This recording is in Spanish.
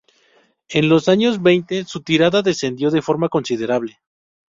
En los años veinte su tirada descendió de forma considerable.